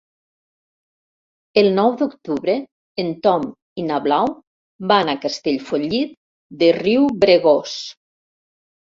El nou d'octubre en Tom i na Blau van a Castellfollit de Riubregós.